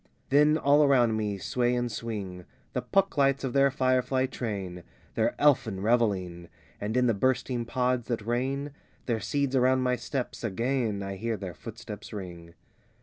XI Then all around me sway and swing The Puck lights of their firefly train, Their elfin revelling; And in the bursting pods, that rain Their seeds around my steps, again I hear their footsteps ring.